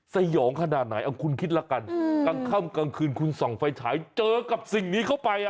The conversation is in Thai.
สยองขนาดไหนเอาคุณคิดละกันกลางค่ำกลางคืนคุณส่องไฟฉายเจอกับสิ่งนี้เข้าไป